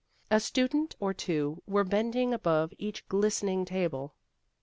A student or two were bending above each glistening table.